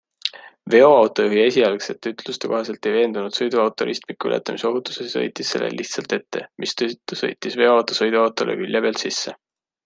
Veoauto juhi esialgsete ütluste kohaselt ei veendunud sõiduauto ristmiku ületamise ohutuses ja sõitis sellele lihtsalt ette, mistõttu sõitis veoauto sõiduautole külje pealt sisse.